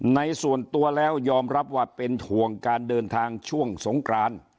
ในส่วนตัวแล้วยอมรับว่าเป็นห่วงการเดินทางช่วงสงกราน